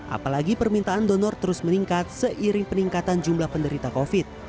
apalagi permintaan donor terus meningkat seiring peningkatan jumlah penderita covid